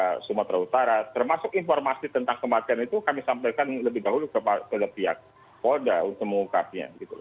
kami sudah menyampaikan informasi tentang kematian itu kepada polda untuk mengungkapnya